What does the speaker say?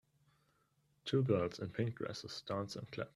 Two girls in pink dresses dance and clap.